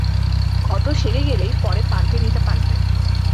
ক্ষত সেরে গেলেই পরে পাল্টে নিতে পারবে।